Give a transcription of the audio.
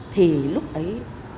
thì lúc ấy